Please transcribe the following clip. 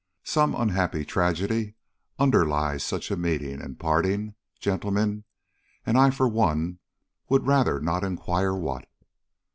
Some unhappy tragedy underlies such a meeting and parting, gentlemen, and I for one would rather not inquire what."